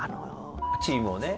チームをね。